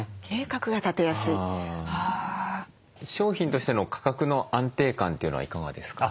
商品としての価格の安定感というのはいかがですか？